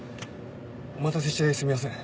お待たせしてすみません。